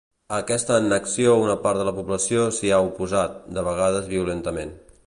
A aquesta annexió una part de la població s'hi ha oposat, de vegades violentament.